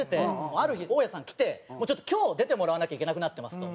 ある日大家さん来て「ちょっと今日出てもらわなきゃいけなくなってます」と。